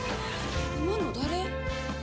今の誰？